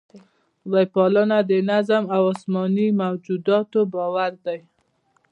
خدای پالنه د نظم او اسماني موجوداتو باور دی.